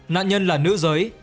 nạn nhân là nữ giới